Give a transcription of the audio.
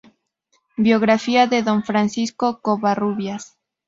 Biografía de Don Francisco Covarrubias.